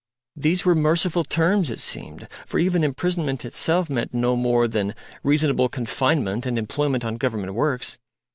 These were merciful terms, it seemed; for even imprisonment itself meant no more than reasonable confinement and employment on Government works.